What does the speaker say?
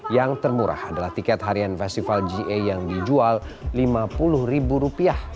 yang termurah adalah tiket harian festival ga yang dijual rp lima puluh